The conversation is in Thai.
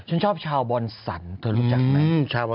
ฉันชอบชาวบอนสันเธอรู้จักไหม